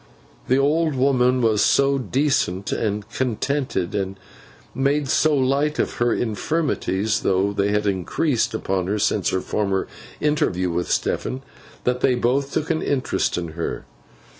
The old woman was so decent and contented, and made so light of her infirmities, though they had increased upon her since her former interview with Stephen, that they both took an interest in her.